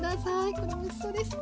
これもおいしそうです。